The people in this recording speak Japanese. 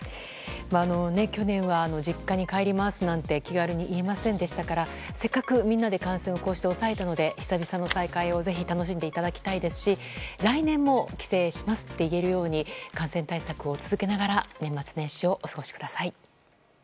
去年は実家に帰りますなんて気軽に言えませんでしたからせっかく、みんなで感染をこうして抑えたので久々の再会をぜひ楽しんでいただきたいですし来年も帰省しますと言えるように感染対策を続けながら年末年始をお過ごしください。